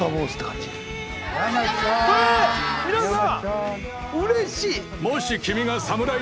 皆さんうれしい！